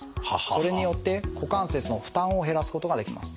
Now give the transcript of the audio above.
それによって股関節の負担を減らすことができます。